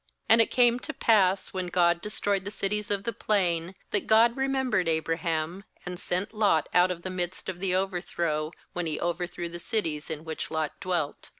^ 29Aiid it came to pass, when God destroyed the cities of the Plain, that God remembered Abraham, and sent Lot out of the midst of the overthrow, when He overthrew the cities in which Lot dwelt.